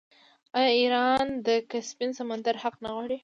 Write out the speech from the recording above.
آیا ایران د کسپین سمندر حق نه غواړي؟